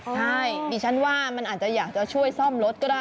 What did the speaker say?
ใช่ดิฉันว่ามันอาจจะอยากจะช่วยซ่อมรถก็ได้